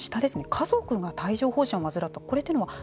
家族が帯状ほう疹を患った。